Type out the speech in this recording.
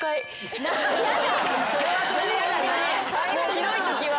ひどいときは。